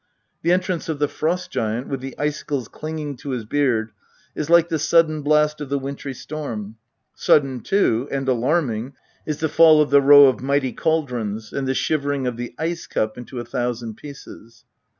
The entrance of the Frost giant, with the icicles clinging to his beard, is like the sudden blast of the wintry storm ; sudden, too, and alarming is the fall of the row of mighty cauldrons, and the shivering of the ice cup into a thousand pieces.